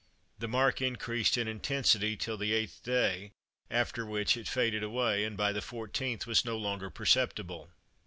The mark increased in intensity till the eighth day, after which it faded away, and by the fourteenth was no longer perceptible.